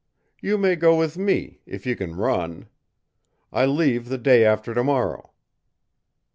"You may go with me, if you can run. I leave the day after to morrow."